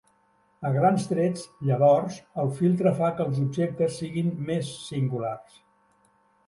A grans trets, llavors, el filtre fa que els objectes siguin "més" singulars.